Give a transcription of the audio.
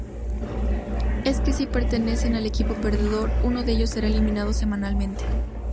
Es que si pertenecen al equipo perdedor, uno de ellos será eliminado semanalmente.